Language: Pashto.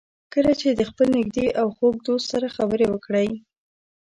کله چې د خپل نږدې او خوږ دوست سره خبرې وکړئ.